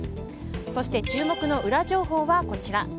そして、注目のウラ情報はこちら。